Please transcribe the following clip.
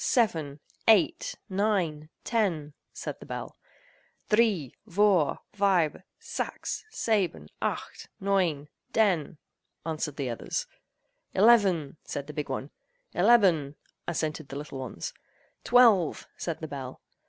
Seven! Eight! Nine! Ten!" said the bell. "Dree! Vour! Fibe! Sax! Seben! Aight! Noin! Den!" answered the others. "Eleven!" said the big one. "Eleben!" assented the little ones. "Twelve!" said the bell.